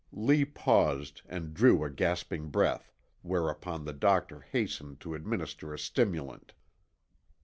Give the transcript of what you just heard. Lee paused and drew a gasping breath, whereupon the doctor hastened to administer a stimulant.